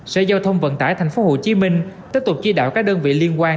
sở giao thông vận tải tp hcm tiếp tục chỉ đạo các đơn vị liên quan